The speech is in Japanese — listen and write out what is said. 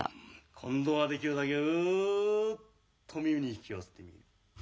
今度はできるだけうっと耳に引き寄せてみよう。